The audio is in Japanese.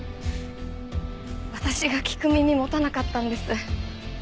私が聞く耳持たなかったんです。